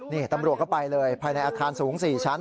นี่ตำรวจก็ไปเลยภายในอาคารสูง๔ชั้น